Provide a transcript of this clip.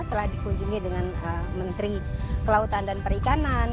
telah dikunjungi dengan menteri kelautan dan perikanan